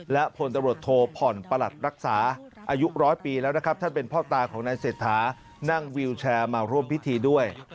และพลตำรวจโทผ่อนประหลัดรักษาอายุร้อยปีแล้วนะครับท่านเป็นพ่อตาของนายเศรษฐานั่งวิวแชร์มาร่วมพิธีด้วย